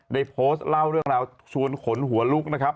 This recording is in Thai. ได้โพสต์เล่าเรื่องราวชวนขนหัวลุกนะครับ